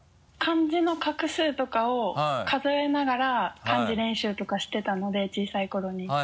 漢字の画数とかを数えながら漢字練習とかしてたので小さい頃に。